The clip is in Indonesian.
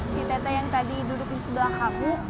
si tete yang tadi duduk di sebelah kapuk